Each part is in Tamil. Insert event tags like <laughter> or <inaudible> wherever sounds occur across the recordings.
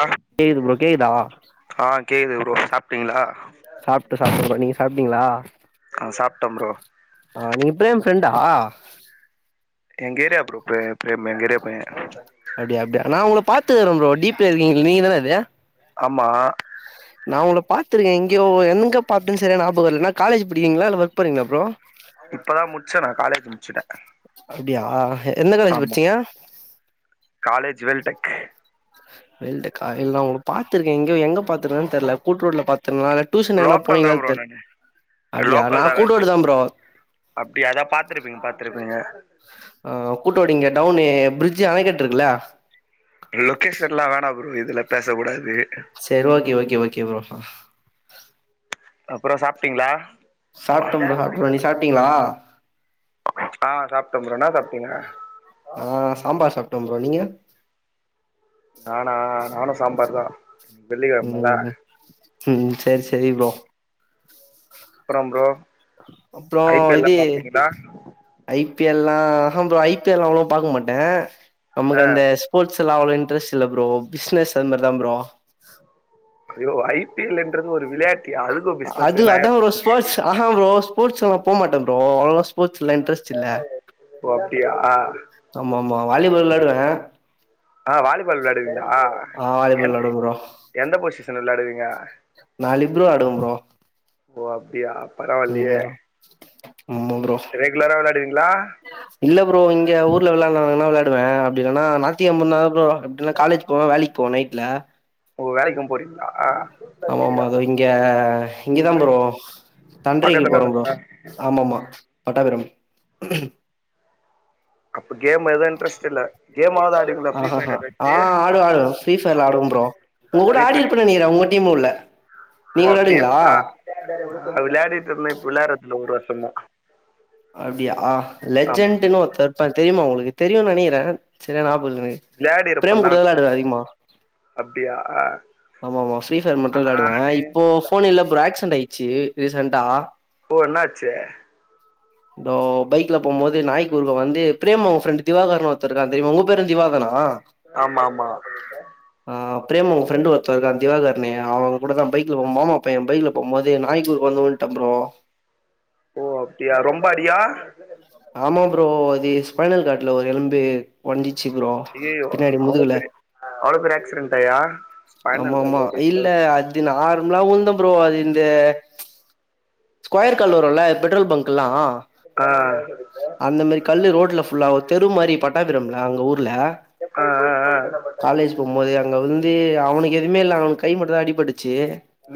அ கேக்குது ப்ரோ கேக்குதா அ கேக்குது ப்ரோ சாப்டிங்ளா சாப்ட சாப்ட நீங்க சாப்டிங்ளா அ சாப்டன் ப்ரோ அ நீங்க ப்ரேம் ஃப்ரெண்டா எங்கேரியா ப்ரோ ப்ரே ப்ரேம் எங்க ஏரியா பையன் அப்டியா அப்டியா நா ஒங்கள பாத்துக்ற ப்ரோ டீப்ல இருக்கீங்ள நீங்கதான அது ஆம்மா உங்கள பாத்ருக்க எங்கியோ என்ங்க பாத்தன் சர்யா நாபகல நா காலேஜ் படிக்கிங்ளா இல வொர்க் போறிங்ளா ப்ரோ இப்பதா முடிச்சே நா காலேஜ் முடிச்சுட்டே அப்டியா எந்த காலேஜ் ஆமா பட்சிங்க டெக்கு வெல் டெக்கா இல்ல நா ஒங்ள பாத்ருக்க எங்கியோ எங்க பாத்ரன்னு தெரில கூட்ரோடுல பாத் தன்ல ட்உசன் எங்கனா லோக்கல் தா போனீங்ளா ப்ரோ தெர் நானு அப்டியா நா லோக்கல் தா நானு கூட்ரோடுதா ப்ரோ அப்டி அதா பாத்துருப்பீங்க பாத்துருப்பீங்க அ கூட்டோடு இங்க டௌவுனு பிரிஜ் ஜூ அணை கட்ருக்குல லொக்கேஷன்லா வேணா ப்ரோ இதுல பேசகூடாது சேரி ஓகே ஓகே ஓகே ப்ரோ ஹன் அப்றோ சாப்டிங்ளா சாப்ட்ட ப்ரோ சாப்ட்ட ப்ரோ நீங்க சாப்ட்டீங்களா அ சாப்ட் டன் ப்ரோ என்னா சாப்டிங்க அ சாம்பார் சாப்டன் ப்ரோ நீங்க நானா நானு சாம்பார்தா வெள்ளி ம் கெழமல ம் சேரி சேரி ப்ரோ அப்றம் ப்ரோ அப்றோ ஐ பி எல் லா இது பாப்பீங்களா ஐப் பியெல்லா ஹஹம் ப்ரோ ஐ பி எல் லா அவ்ளோ பாக்க மாட்ட நமக்கு ஆ அந்த ஸ்போர்ட்ஸ் லா அவ்ளோ இன்ட்ரஸ்ட் இல்ல ப்ரோ பிஸ்னஸ் அந்த மாரிதா ப்ரோ ஐயோ ஐ பி எல்ன்றது ஒரு விளையாட் அது அதா ப்ரோ ஒரு ஸ்போர்ட்ஸ் ஹஹான் ப்ரோ ஸ்போர்ட்ஸ்லா நா போமாட்ட ப்ரோ அவ்ளோலா ஸ்போர்ட்ஸ்லா இன்ட்ரஸ்ட் இல்ல ஓ அப்டியா ஆமா ஆமா வாலிபால் விளாடுவென் அ வாலிபால் விளாடுவீங்ளா வாலிபால் எந்த விளாடுவே ப்ரோ எந்த பொசிஷன் விளாடுவீங்க நா லிப்ரோ ஆடுவன் ப்ரோ ஓ அப்டியா பரவால்லியே ம் ஆமா ப்ரோ ரெகுலரா விளாடுவிங்ளா இல்ல ப்ரோ இங்க ஊர்ல வெளாயாட்னாங்னா வெளாயாடுவ அப்டி இல்லனா நாத்தி கெம்மாந்தாதா ப்ரோ அப்டினா காலேஜ் போவே வேலைக் போவே நைட்ல ஓ வேலைக்கும் போறிங்ளா ஆமா ஆமா அது இங்க இங்கதா ப்ரோ தண்றிக்கு போற பக்கத்துல ப்ரோ தானா ஆமாமா பட்டாபிரம் அப்ப கேம் எதுவும் இன்ட்ரெஸ்ட் இல்ல கேமாவது ஆடுவீங்களா ஃப்ரீ ஃபயர் ஆஹஹ ஆ ஏதாச்சு ஆடுவ ஆடுவ ஃபரீ ஃபைர்ல ஆடுவ ப்ரோ உங்க கூட ஃப்ரீ ஃபயர் ஆடிருப்ப நெனைக்ற உங்க டீம் உள்ள ஓ நீங்க அப்டியா வெளாடுவீங்களா விளையாடிட்ருந்த இப்ப விளையாட்றதுல ஒரு வருஷமா அப்டியா ஆமா ஆமா லெஜெண்டுனு ஒருத்த இருப்பா தெரியுமா உங்ளுக்கு தெரியுனு நெனைக்கிற சரியா நாப புல்ரே விளையாடி பிரேம் இருப்பேன் தான் கூடதா விளாடுவ அதிகமா அப்டியா ஆம ஆமா ஃப்ரீஃபயர் மட்டு வெளயாடுவ நானு இப்போ ஃபோன் இல்லப்ரோ ஆக்சன்ட் ஆயிச்சு ரீசென்டா ஓ என்னாச்சு ப்ரோ பைக்ல போம்போது நாய்குருக்க வந்து பிரேம் உங்க ஃப்ரெண்ட் திவாகர்னு ஒருத்தருக்கா தெரிமா உங்க பேரு திவாதானா ஆமா ஆமா பிரேம் உங்க ஃப்ரண்டு ஒ ருத்தர்கா திவாகர்னு அவங்கூட தா பைக்ல போ மாமா பைய பைக்ல போம்போது நாய்க்குருக்க வந்து உளுன்ட ப்ரோ ஓ அப்டியா ரொம்ப அடியா ஆமா ப்ரோ அது ஸ்பைனல் காட்ல ஒரு எலும்பு ஒஞ்சு அய்யய்யோ அவ்ள பெரி அவ்ள பெரி ஆக்ஸ்டண்டாயா ஆமா ஆமா இல்ல அது நார்மலா உழுந்த ப்ரோ அது இந்த ஸ்கொயர் கல்வருல்ல பெட்ரோல் பங்க்கெல்லா ஆ அந்த மாரி கல்லு ரோட்ல ஃபுல்லா ஒரு தெரு மாரி பட்டாபிரம்ல அங்க ஊ ல ஆ ஆ ஆ காலேஜ் போம்போது அங்க வந்து அவனுக்கு எதுமே இல்ல அவனுக் கைமட்டுதா அடிப்பட் ச்சு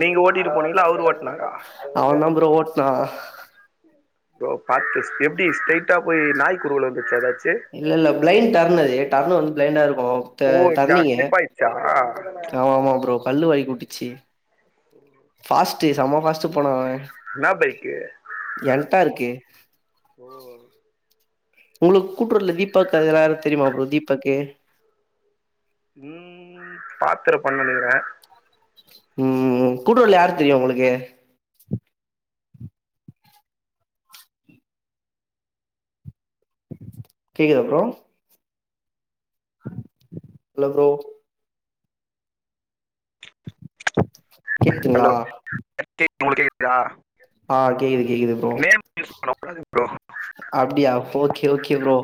நீங்க ஓட்டிட்டு போனீங்களா அவரு ஓட்னாரா அவன்தா ப்ரோ ஓட்னா ஐயோ பாத்து எப்டீ ஸ்ரைட்டா போய் நாய்க்குருவுல வந்துருச்சா எதாச் இல்லல்ல ப்ளைண் டர்னரு டர்ன் வந்து பளைண்டா இரு க்கூ ட ஓ ஜா டர்னீங்கு ஸ்லிப் ஆயிடுச்சா ஆமாமா ப்ரோ கல்லு வழுக்கி வுட்டுச்சு ஃபாஸ்ட்டு செம ஃபாஸ்ட்டு போனாவ என்னா பைக்கு என்டா இருக்கு ஓ உங்களுக் கூட்டுறவுல தீபக் அது யாரு தெரீமா ப்ரோ தீபக்கு ம் பாத்துருப்பன் நெனைக்கிற ம் கூட்டூறள யாரு தெரியு உங்களுக்கு கேக்குதா ப்ரோ அலோ ப்ரோ கேக்குதுங்ளா உங்களுக்கேக்குதா ஆ கேக்குது கேக்குது ப்ரோ அவன வுடாதீங் ப்ரோ அப்டியா ஓகே ஓகே ப்ரோ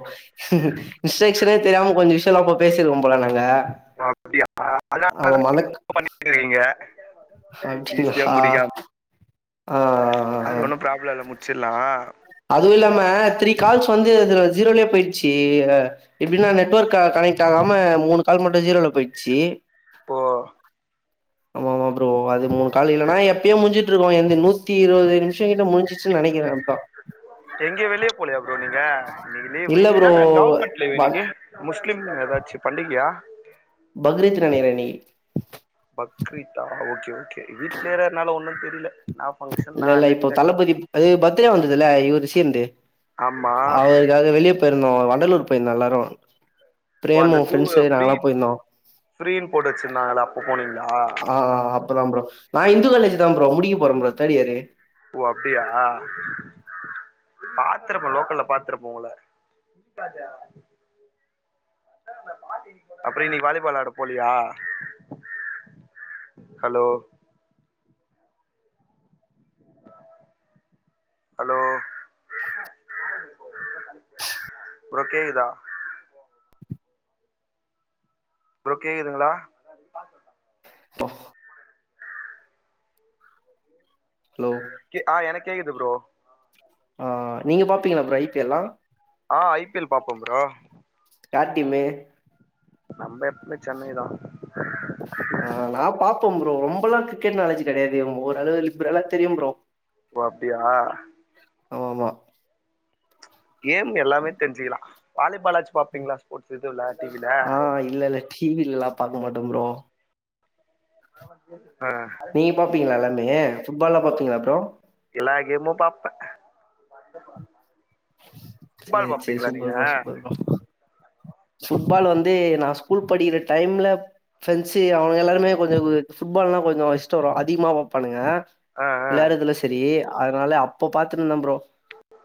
இன்ஸெக்க்ஷனே தெரியாம கொஞ்சோ விஷ்யோ நம்ப பேசீர்க்கோ ப்ரோ போல நாங்க அப்டியா அதனால தான நீங்க பண்ணீட்ருக்கீங்க ஹப்டி ஹா அது ஒண்ணூ ப்ராப்ளோ இல்ல முச்சிட்லா அதுவு இல்லாம த்ரீ கால்ஸ் வந்து ஜீரோலயே போய்டுச்சு எப்டின்னா நெட்ஒர்க் க கனெ க்டாகாம மூணு கால் மட்டு ஜீரோல போய்ட்ச்சு ப்போ ஆமாமா ப்ரோ அது மூணு கால் இல்லனா எப்பயோ முஞ்சிட்டிருக்கு எந்து நூத்தி இருவது நிம்ஷ கிட்ட முஞ்சிச்சுனு நெனக்கிற இப்ப எங்கியு வெளிய போலயா ப்ரோ நீங்க இன்னிக்கு லீவு இல்ல ப்ரோ இன்னிகின்னா கவர்மெண்ட் லீவு ப இன்னிக்கு முஸ்லீம்ங் ஏதாச்சு பண்டிகயா பக்ரீத் நெனைக்கிறேன் இன்னைக்கு பக்ரீத்தா ஓகே ஓகே வீட்லயே இருந்தனால ஒன்றும் தெரியல நான் ஃபங்க்ஷன் நான் இல்லல்ல என்ன இப்போ தெரியல தளபதி அது பர்த்டே வந்ததுல்ல இவுரு சீம்து ஆமா அவருக்காக வெளிய போய்ருந்தோ வண்டலூர் போய்ருந்தோ எல்லாரு ஓ அந்த ஜூவு ஃப்ரீ ஃப்ரீன் போட்டு வச்சிருந்தாங்கல்ல அப்போ போனீங் ஆ அப்பதா ப்ரோ நா இந்து காலேஜு தா ப்ரோ முடிக்க போற ப்ரோ தேர்ட் இயரு ஓ அப்டியா பாத்துருப்ப லோக்கல்ல பாத்துருப்ப உங்கள அப்றோ இன்னிக்கு வாலிபால் ஆட போலியா ஹலோ ஹலோ ப்ரோ கேக்குதா ப்ரோ கேக்குதுங்களா ஓ ஹலோ கே ஆ எனக்கு கேக்குது ப்ரோ ஆ நீங்க பாப்பீங்களா ப்ரோ ஐ பி எல் லா ஆ ஐ பி எல் பாப்ப ப்ரோ யார் டீம்மு நம்ப எப்பமே சென்னை தா ஆ நா பாப்ப ப்ரோ ரொம்பலா கிரிக்கெட் நாலேஜ் கெடையாது ஓரளவு லிப்ரலா தெரியு ப்ரோ ஓ அப்டியா ஆமா ஆமா கேம் எல்லாமே தெரிஞ்சிக்கலா வாலி பாலாச்சு பாப்பீங்களா ஸ்போர்ட்ஸ் இதுவுல டிவில ஆ இல்ல இல்ல டி வி லலா பாக்க மாட்டே ப்ரோ <inaudible> நீங்க பாப்பீங்களா எல்லாமே ஃபுட்பால்லா பாப்பீங்களா ப்ரோ எல்லா கேம்மு பாப்ப ஃபுட்பால் சேரி சேரி பாப்பீங்களா நீங்க super bro super bro football வந்து நா ஸ்கூல் படிக்கற டைம்ல ஃபிரெண்ட்ஸு அவுங்க எல்லாருமே கொஞ்ச ஃபுட்பால்லா கொஞ்ச இஷ்ட வரு அதிகமா வெப்பானுங்க ஆ ஆ வெளையாடுறதுல செரி அதனால அப்போ பாத்துருந்த ப்ரோ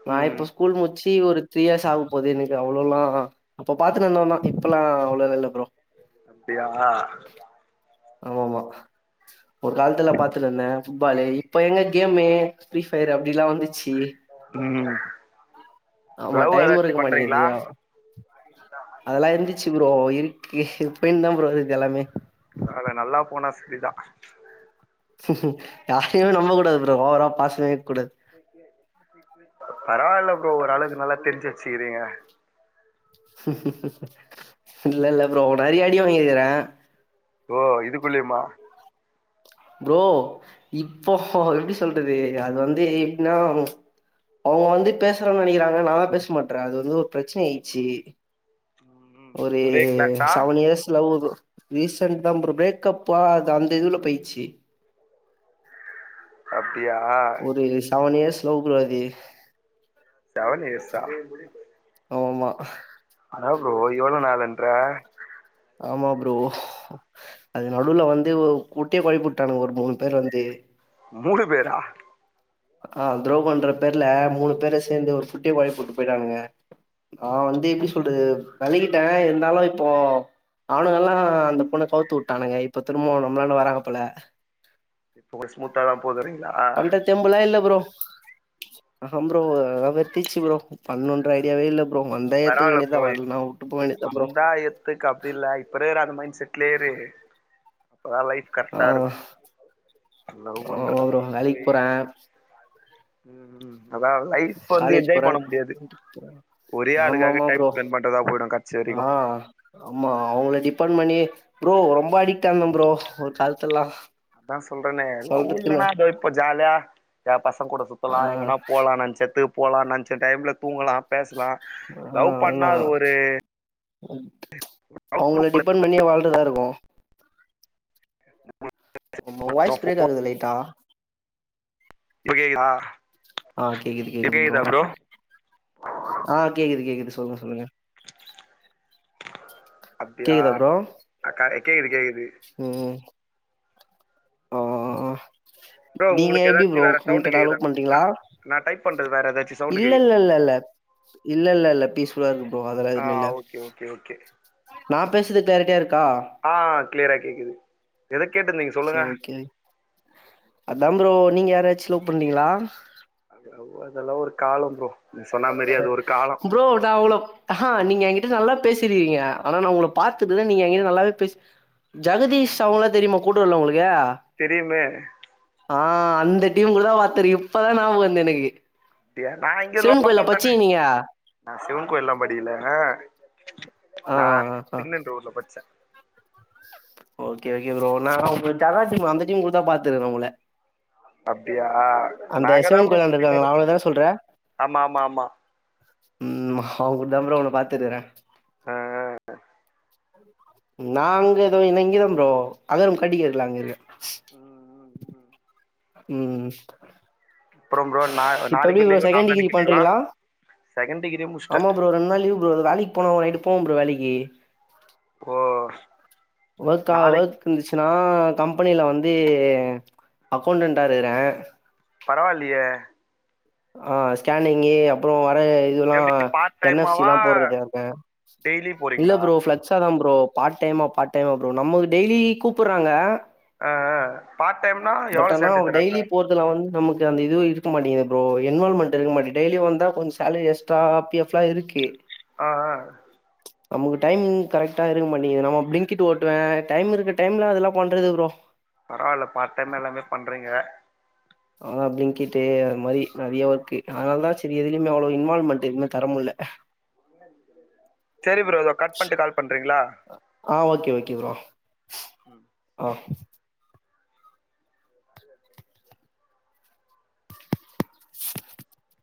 நா ம் இப்ப ஸ்கூல் முச்சி சி ஒரு த்ரீ இயர்ஸ் ஆகப் போது எனக் அவ்ளோலா அப்போ பாத்துன்னு இருந்தவந்தா இப்பெல்லா அவ்ளோது இல்ல ப்ரோ அப்டியா ஆமா ஆமா ஒரு காலத்துல பாத்துட்டு இருந்த ஃபுட்பாலு இப்ப எங்க கேமு ஃப்ரீ ஃபயர் அப்டி எல்லா வந்துச்சு ம் ஆமா லவ் டைம் ஏதாச்சு இருக்க மாட்டேங்கிது பண்றீங்களா அதெல்லா இருந்துச் சி ப்ரோ இருக்கு இப்பயுந்தா ப்ரோ இருக்கு எல்லாமே அத நல்லா போனா செரிதா யாரையுமே நம்பக் கூடாது ப்ரோ ஓவரா பாச பரவாயில்ல ப்ரோ ஓரளவுக்கு நல்லா தெரிஞ்சு வெச்சுக்கிறீங்க இல்லல்ல ப்ரோ நறைய அடி வாங்கிருக்கிற ஓ இதுக்குள்ளயுமா ப்ரோ இப்போ எப்டி சொல்றது அது வந்து எப்டின்னா அவுங்க வந்து பேசுணுன்னு நெனைக்கிறாங்க நான்லா பேச மாட்ற் அது வந்து ஒரு பிரச்சன ஆயிட்ச்சு ம் ஒரு ஒரே கிளாஸா seven years love bro recent தா ப்ரோ பிரேக்கப்பா அது அந்த இதுவுல போயிச்சு அப்டியா ஒரு செவன் இயர்ஸ் லவ் ப்ரோ அது செவன் இயர்ஸா ஆமாமா ன்ற ஆமா ப்ரோ அது நடுவுல வந்து குட்டைய கொழப்பி விட்டானுங்க ஒரு மூணு பேர் வந்து மூணு பேரா அ துரோ பண்ற பேர்ல மூணு பேரு சேர்ந்து ஒரு குட்டய கெழப்பிவிட்டு போட்டு போயிட்டானுங்க நா வந்து எப்டி சொல்றது வேலகிட்டே இருந்தாலு இப்போ அவனுங்க எல்லா அந்த பொண்ண கவுத்து விட்டானுங்க இப்ப திரும்ப நம்லண்ட வராங்க போல இப்ப கொஞ்ச ஸ்மூத்தாதா போதுறீங்களா பண்ற தெம்புலாம் இல்ல ப்ரோ அத ப்ரோ அதல வெறுத்துதிருச்சு ப்ரோ பன்னனுன்ற ஐடியாவே இல்ல ப்ரோ வந்தா ஏத்துக்க பரவாயில வேண்டியதா ப்ரோ வரலனா வுட்டு போ வேண்டியதா ப்ரோ வந்தா இத்துக்கு அப்டி இல்ல இப்பிறுக்கிற அந்த மைண்ட் செட் அதுலேயே இரு அப்தா லைஃப் கரெக்டா இருக் அவ வேலைக்கு போறாங்க ம் ம் அதா லைஃப் வந்து காலேஜ் போற என்ஜாய் பண்ண முடியாது ஒரே ஆமா ஆளுக்காக ஆமா டைம் ப்ரோ ஸ்பெண்ட் பண்றதா போயிடு கடைசி வரைக்கு அ ஆமா அவங்கள டிப்பன் மணி ப்ரோ ரொம்ப ஆடிட்டாங்க ப்ரோ ஒரு காலத்து எல்லா அதா சொல்றனே லவ் இல்லனா அதோ இப்ப ஜாலியா ஏ பசங் கூட ஆ சுத்தலா எங்கனா போலா நெனச்சத்துகு போலா நெனைச்ச டைம்ல தூங்கலா பேச லவ் பண்ணா அது ஒரு ம் அவங்கள டிபெண்ட் பண்ணியே வாழ்றதா இருக்கு உங்க வாய்ஸ் பிரேக் ஆகுது லைட்டா இப்ப கேக்குதா அ கேக்குது இப்ப கேக்குது ப்ரோ கேக்குதா அ கேக்குது கேக்குது சொல்லுங்க சொல்லுங்க அப்டியா கேக்குதா ப்ரோ அ கேக்குது கேக்குது அ ப்ரோ நீங்க உங்களுக்கு எப்டி ஏதாச்சு ப்ரோ வேற சவுண்டு கமிட்டேடா கேக்குதா லவ் நா பண்றீங்களா நா டைப் பண்றது வேற ஏதாச்சு சவுண்டு கேக்குதா இல்லல்லல்லல இல்லல்லல்ல பீஸ்ஃபுல்லா இருக்கு ப்ரோ அதெல்லா ஆ எதுமே இல்ல ஓகே ஓகே ஓகே நா பேசுறது கிளாரிட்டியா இருக் அ கிளியரா கேக்குது எத கேட்டுந்திங்க சொல்லுங்க அந்தா ப்ரோ நீங்க யாரச்சு லவ் பண்ணுறீங்களா அ அதெல்லா ஒரு காலோ ப்ரோ நீ சொன்ன மாரி அது ஒரு காலம் ப்ரோ நா அவ்ளோ அஹா நீங்க எங்கிட்ட நல்லா பேசிருங்கீங்க ஆனா நா உங்கள பாத்துட்டுதா நீங்க எங்கிட்ட நல்லாவே பேச ஜெகதீஷ் அவங்கள தெரியுமா கூட்டுர்ல உங்ளுக்கு தெரியுமே அ அந்த டீம் கூட தா பாத்துருக்க இப்பதா ஞாபகோ வருது எனக்கு அப்டியா நா இங்க சிவன் கோயில்ல லோக்கல் தானே பச்சீங்க நீங்க நா சிவன் கோயில்ல்லா படிக்கல ஆ நா ஆ ஆ <unintelligible> படிச்ச ஓகே ஓகே ப்ரோ நா உங்க ஜகா டீம் அந்த டீம் கூடதா பாத்திருக்க உங்கள அப்டியா அந்த நா அங்கதா சிவன் ப்ரௌ கோயிலாண்ட சுத்தினு இருக்காங்களா இருப்ப அவங்களதான சொல்ற ஆமா ஆமா ஆமா ம் அவங்க <unintelligible> உங்கள பாத்திருக்கிற அ அ நாங்க ஏதோ இன இங்கதம் றப்ரோ அதரும் கட்ட கக்கல அங்க இருக்க உஹம் உஹம் உஹம் ம் அப்றோ ப்ரோ நா இப்ப எப்டி நாளைக்கு ப்ரோ லீவு செகண்ட் டிகிரி நாளானைக்கு லீவா பண்றீங்ளா செகண்ட் டிகிரியே ஆமா முடிச்சிட்ட ப்ரோ ஒரு ரெண்டு நாள் லீவு வேலைக்கு போனு நைட்டு போவோ ப்ரோ வேலைக்கி ஓ நாளைக்கு <unintelligible> நா கம்பெனில வந்து அக்கௌண்டன்டா இருக்கிற பரவாயில்லியே அ ஸ்கேனிங்கி அப்றோ இதுல்லா எப்படி பார்ட் என் எப் சி டைமாவா எல்லா போட்றது இருக்க டெய்லி இல்ல போறீங்களா ப்ரோ பிளெக்ஸா தா ப்ரோ பார்ட் டைமா பார்ட் டைமா ப்ரோ நமக்கு டெயிலி கூப்பிட்றாங்க ஆ ஆ பார்ட் டைம்னா பட் எவ்வளோ ஆனா சேலரி அவங்க தராங்க டெய்லி போறதுல வந்து நமக்கு அந்த இது இருக்க மாட்டேங்குது ப்ரோ இன்வால் மெண்ட் இருக்க மாட்டி டெய்லி வந்தா கொஞ்சோ சேலரி எக்ஸ்ட்ரா பி எஃப் லா இருக்கு ஆ ஆ நமக்கு டைமிங் கரெக்டா இருக்க மாட்டிங்குது நம்ம பிளிங்கிட்டு ஓட்டுவே டைம் இருக்க டைம்ல அதெல்லா பண்றது ப்ரோ பரவால்ல பார்ட் டைம் எல்லாமே பண்றீங்க ஆதா பிளிங்க்கிட்டு அது மாரி நெறையா ஒர்க்கு அதனால்தா செரி எதுலைமே அவ்ளோ இன்வால்வ்மெண்ட்டு எதுமே தரமுட்ல செரி ப்ரோ இதோ கட் பண்ட்டு கால் பண்றீங்ளா ஓகே ஓகே ஆ ப்ரோ ஆ <unintelligible>